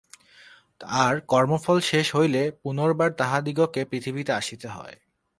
আর কর্মফল শেষ হইলে পুনর্বার তাহাদিগকে পৃথিবীতে আসিতে হয়।